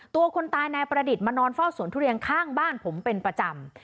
คนตายนายประดิษฐ์มานอนเฝ้าสวนทุเรียนข้างบ้านผมเป็นประจำ